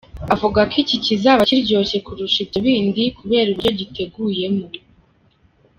Avuga ko iki kizaba kiryoshye kurusha ibyo bindi kubera uburyo giteguyemo.